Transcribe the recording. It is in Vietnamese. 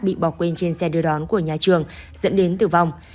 bị bỏ quên trên xe đưa đón của nhà trường dẫn đến tử vong